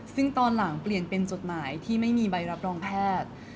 ซึ่งตอนหลังเปลี่ยนเป็นจดหมายที่ไม่มีใบรับรองแพทย์